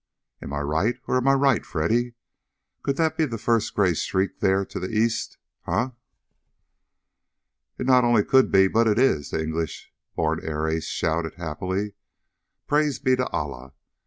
Am I right, or am I right, Freddy? Could that be the first grey streak there to the east, huh?" "It not only could be, but it is!" the English born air ace shouted happily. "Praise be to Allah!